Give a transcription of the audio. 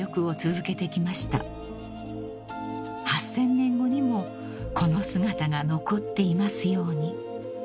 ［８，０００年後にもこの姿が残っていますように］